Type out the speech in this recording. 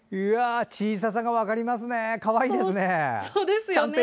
小ささが分かりますねかわいいですね。